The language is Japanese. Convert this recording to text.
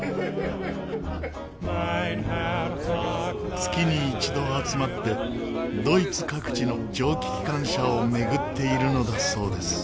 月に一度集まってドイツ各地の蒸気機関車を巡っているのだそうです。